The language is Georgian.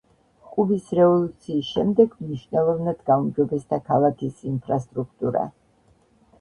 კუბის რევოლუციის შემდეგ მნიშვნელოვნად გაუმჯობესდა ქალაქის ინფრასტრუქტურა.